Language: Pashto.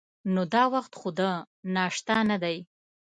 نو دا وخت خو د ناشتا نه دی.